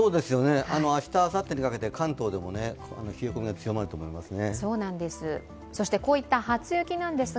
明日、あさってにかけて関東でも冷え込みが強まると思いますね。